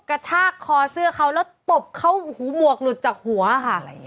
กระชากคอเสื้อเขาแล้วตบเขาหูหมวกหลุดจากหัวค่ะ